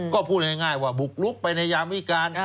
ก็พูดง่ายว่าบุกลุกไปในยามวิการ